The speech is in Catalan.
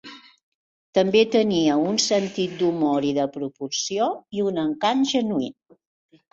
També tenia un sentit d'humor i de proporció, i un encant genuí.